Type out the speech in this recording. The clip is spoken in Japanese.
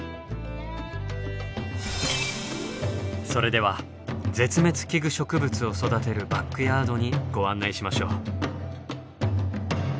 それでは絶滅危惧植物を育てるバックヤードにご案内しましょう。